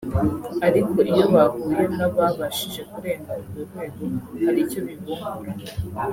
ariko iyo bahuye n’ababashije kurenga urwo rwego hari icyo bibungura